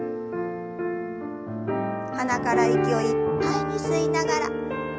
鼻から息をいっぱいに吸いながら腕を上に。